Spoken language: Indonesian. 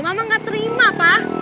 mama gak terima pah